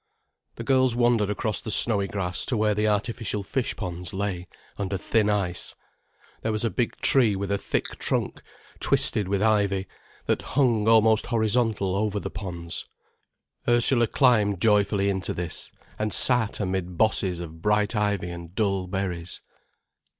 The girls wandered across the snowy grass to where the artificial fish ponds lay under thin ice. There was a big tree with a thick trunk twisted with ivy, that hung almost horizontal over the ponds. Ursula climbed joyfully into this and sat amid bosses of bright ivy and dull berries.